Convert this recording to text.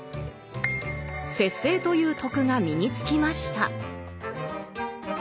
節制という「徳」が身につきました。